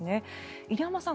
入山さん